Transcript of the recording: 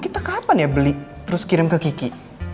kita kapan ya beli terus kirim ke kiki